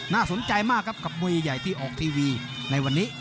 น่าสนใจมากครับกับมวยใหญ่ที่ออกทีวีในวันนี้